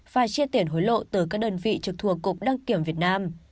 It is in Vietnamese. phải chia tiền hối lộ từ các đơn vị trực thuộc cục đăng kiểm việt nam